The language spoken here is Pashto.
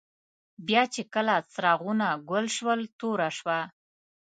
بیا چي کله څراغونه ګل شول، توره شوه.